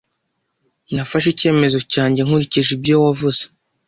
Nafashe icyemezo cyanjye nkurikije ibyo wavuze.